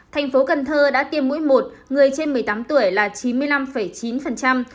thành phố cần thơ đã tiêm mũi một người trên một mươi tám tuổi là chín mươi năm chín đủ hai mũi là ba mươi bảy bảy